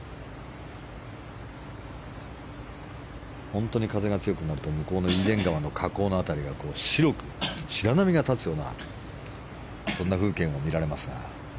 本当に風が強くなると向こうのイーデン川の河口の辺りが白く白波が立つようなそんな風景も見られますが。